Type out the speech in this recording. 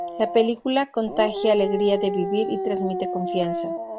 La película contagia alegría de vivir y trasmite confianza.